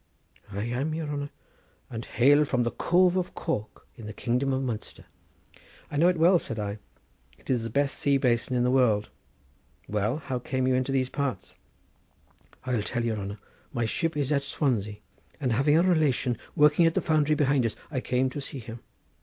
"I am, your honour, and hail from the Cove of Cork in the kingdom of Munster." "I know it well," said I. "It is the best sea basin in the world. Well, how came you into these parts?" "I'll tell your honour; my ship is at Swansea, and having a relation working at the foundry behind us, I came to see him."